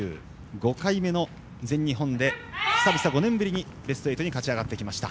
５回目の全日本で久々５年ぶりにベスト８に勝ち上がってきました。